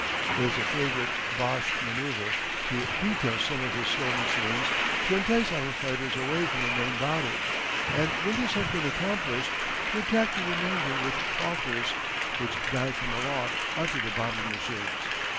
It is a favourite Boche manoeuvre to detail some of his slow machines to entice our fighters away from the main body, and when this has been accomplished, to attack the remainder with Fokkers, which dive from aloft onto the bombing machines.